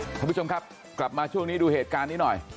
คุณผู้ชมครับกลับมาช่วงนี้ดูเหตุการณ์นี้หน่อย